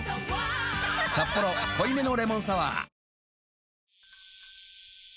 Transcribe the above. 「サッポロ濃いめのレモンサワー」チリーン。